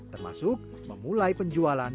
termasuk memulai penjualan seharian